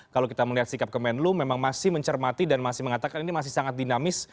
kalau kita melihat sikap kemenlu memang masih mencermati dan masih mengatakan ini masih sangat dinamis